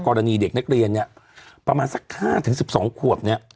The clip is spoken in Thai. กรณีเด็กนักเรียนเนี่ยประมาณสักข้าวถึง๑๒ขวบ